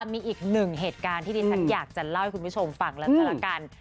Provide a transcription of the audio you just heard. มีอีกหนึ่งเหตุการณ์ที่ดิฉันอยากจะเล่าให้คุณผู้ชมฟังแล้วก็ละกัน